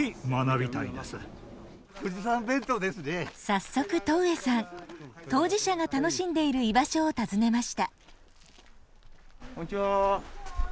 早速戸上さん当事者が楽しんでいる居場所を訪ねました。